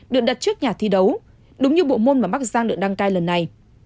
được đặt trước nhà thi đấu đúng như bộ môn mà bắc giang được đăng cai lần này